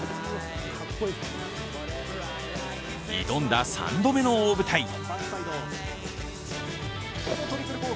挑んだ３度目の大舞台。